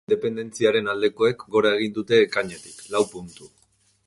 Hala ere, independentziaren aldekoek gora egin dute ekainetik, lau puntu.